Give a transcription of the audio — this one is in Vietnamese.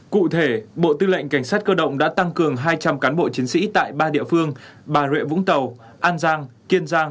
cụ thể bộ tư lệnh cảnh sát cơ động đã tăng cường hai trăm linh cán bộ chiến sĩ tại ba địa phương bà rịa vũng tàu an giang kiên giang